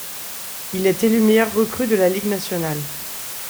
Il est élu meilleure recrue de la Ligue nationale.